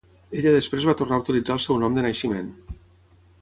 Ella després va tornar a utilitzar el seu nom de naixement.